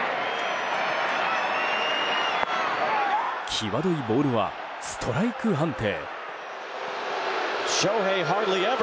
際どいボールはストライク判定。